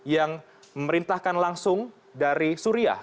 yang memerintahkan langsung dari suriah